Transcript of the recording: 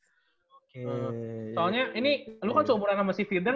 soalnya ini lu kan seumuran sama si firdan